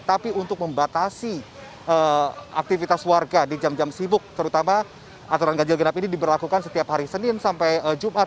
tapi untuk membatasi aktivitas warga di jam jam sibuk terutama aturan ganjil genap ini diberlakukan setiap hari senin sampai jumat